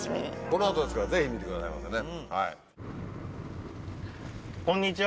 この後ですからぜひ見てくださいませね。